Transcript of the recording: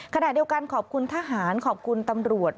ขณะเดียวกันขอบคุณทหารขอบคุณตำรวจ